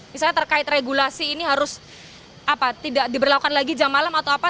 misalnya terkait regulasi ini harus tidak diberlakukan lagi jam malam atau apa